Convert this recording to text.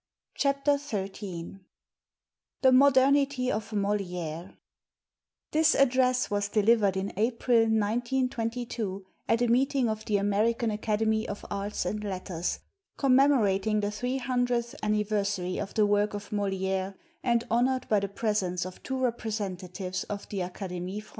215 XIII THE MODERNITY OF MOLlfiRE [This address was delivered in April, 1922, at a meeting of the American Academy of Arts and Letters, commemorating the three hundredth anniversary of the work of Moliere and honored by the presence of two representatives of the Academic Franchise.